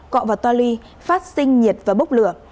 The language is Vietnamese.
cọ và toa ly phát sinh nhiệt và bốc lửa